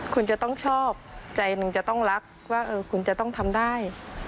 คุณจะต้องชอบใจหนึ่งจะต้องรักว่าคุณจะต้องทำได้